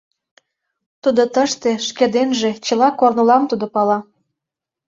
Тудо тыште шке денже, чыла корнылам тудо пала.